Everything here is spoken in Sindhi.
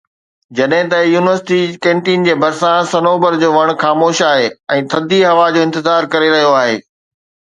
جڏهن ته يونيورسٽي ڪينٽين جي ڀرسان صنوبر جو وڻ خاموش آهي ۽ ٿڌي هوا جو انتظار ڪري رهيو آهي